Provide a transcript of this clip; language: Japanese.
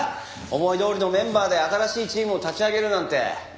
思いどおりのメンバーで新しいチームを立ち上げるなんて。